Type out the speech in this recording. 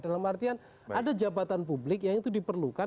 dalam artian ada jabatan publik yang itu diperlukan